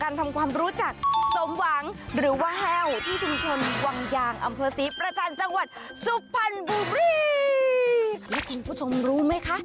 แล้วคุณผู้ชมรู้ไหมคะ